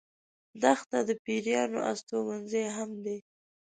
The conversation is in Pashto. دښته د پېرانو استوګن ځای هم دی.